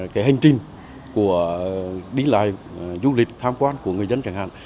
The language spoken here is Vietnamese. cái hành trình đi lại du lịch tham quan của người dân chẳng hạn